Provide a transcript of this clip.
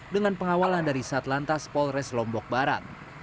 dengan pengawalan dari satlantas polres lombok barat